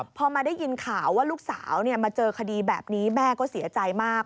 พอมาได้ยินข่าวว่าลูกสาวมาเจอคดีแบบนี้แม่ก็เสียใจมาก